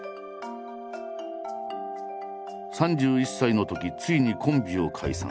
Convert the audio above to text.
３１歳のときついにコンビを解散。